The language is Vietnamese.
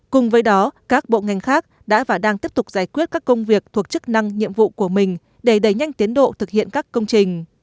cùng với đó các bộ ngành khác đã và đang tiếp tục giải quyết các công việc thuộc chức năng nhiệm vụ của mình để đẩy nhanh tiến độ thực hiện các công trình